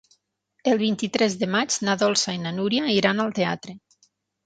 El vint-i-tres de maig na Dolça i na Núria iran al teatre.